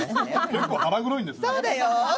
結構腹黒いんですね。